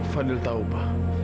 fadil tahu pak